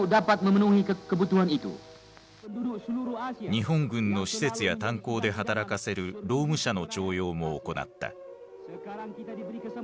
日本軍の施設や炭鉱で働かせる労務者の徴用も行った。